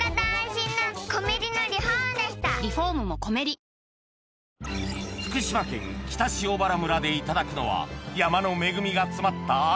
ふふあれ福島県北塩原村でいただくのは山の恵みが詰まった会